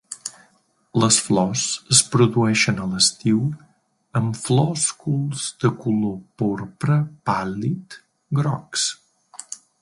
Les flors es produeixen a l'estiu amb flòsculs de color porpra pàl·lid grocs.